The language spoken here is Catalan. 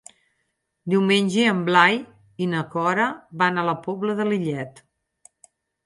Diumenge en Blai i na Cora van a la Pobla de Lillet.